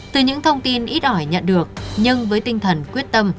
từ những thông tin ít ỏi nhận được nhưng với tinh thần quyết tâm